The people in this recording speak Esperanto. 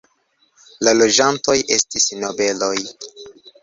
La loĝantoj estis nobeloj.